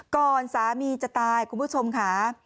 ก่อนสามีจะตายคุณผู้ชมค่ะ